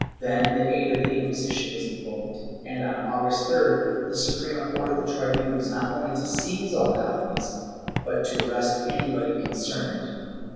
Then the aid of the Inquisition was invoked and, on August 3d, the Suprema ordered the tribunals not only to seize all copies but to arrest everybody concerned.